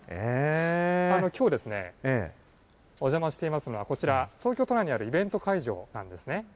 きょう、お邪魔していますのは、こちら、東京都内にあるイベント会場なんですね。